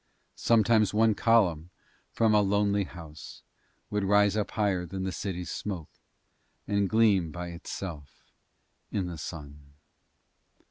Sometimes one column from a lonely house would rise up higher than the cities' smoke, and gleam by itself in the sun.